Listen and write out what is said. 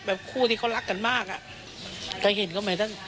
แบบคู่ที่เขารักกันมากอ่ะใครเห็นก็ไม่รู้